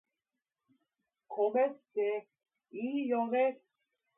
米っていいよね